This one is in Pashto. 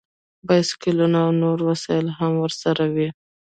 بایسکلونه او نور وسایل هم ورسره وي